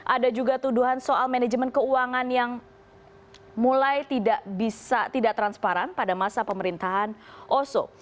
ada juga tuduhan soal manajemen keuangan yang mulai tidak bisa tidak transparan pada masa pemerintahan oso